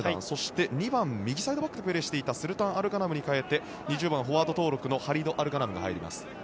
そして、２番右サイドバックをプレーしていたスルタン・アルガナムに代えて２０番、フォワード登録のハリド・アルガナムが入ります。